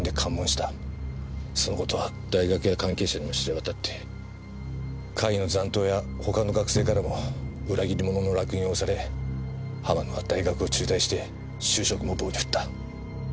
その事は大学や関係者にも知れ渡って会の残党や他の学生からも裏切り者の烙印を押され浜野は大学を中退して就職も棒に振った。